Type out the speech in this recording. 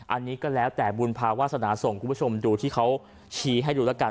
อันนี้ก็แล้วแต่บุญภาวาสนาส่งคุณผู้ชมดูที่เขาชี้ให้ดูแล้วกัน